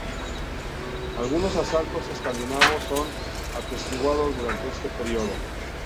Algunos asaltos escandinavos son atestiguados durante este período.